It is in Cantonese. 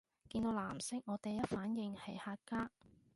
見到藍色我第一反應係客家